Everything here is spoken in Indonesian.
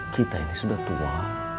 kita ini sudah tua